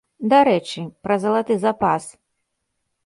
Дарэчы, пра залаты запас.